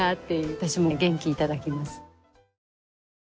私も元気頂きます。